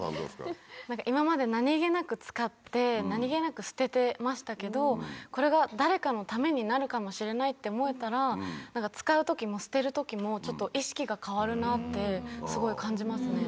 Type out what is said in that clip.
今まで何気なく使って、何気なく捨ててましたけれども、これが誰かのためになるかもしれないって思えたら、なんか使うときも捨てるときも、ちょっと意識が変わるなってすごい感じますね。